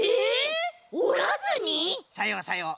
さようさよう。